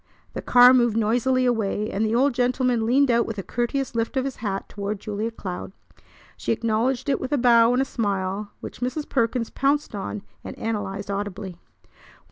The car moved noisily away, and the old gentleman leaned out with a courteous lift of his hat toward Julia Cloud. She acknowledged it with a bow and a smile which Mrs. Perkins pounced on and analyzed audibly.